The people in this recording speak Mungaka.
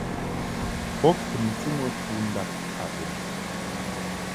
Bo kumti mɨ tundab a bumti.